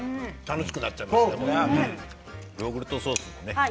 なんかヨーグルトソースもね。